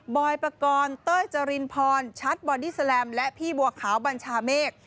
อยปกรณ์เต้ยจรินพรชัดบอดี้แลมและพี่บัวขาวบัญชาเมฆ